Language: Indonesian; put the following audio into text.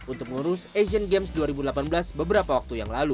untuk mengurus asian games dua ribu delapan belas beberapa waktu yang lalu